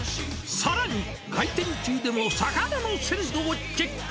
さらに開店中でも魚の鮮度をチェック。